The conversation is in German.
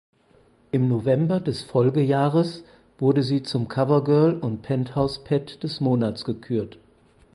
Im November des Folgejahres wurde sie zum Covergirl und Penthouse Pet des Monats gekürt.